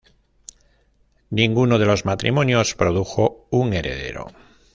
Ninguno de los matrimonios produjo un heredero.